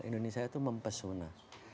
indonesia itu mempesona